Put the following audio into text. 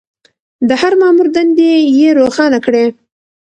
د هر مامور دندې يې روښانه کړې.